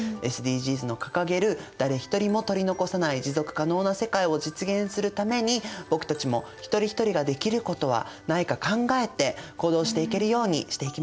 ＳＤＧｓの掲げる誰一人も取り残さない持続可能な世界を実現するために僕たちも一人一人ができることはないか考えて行動していけるようにしていきましょうね。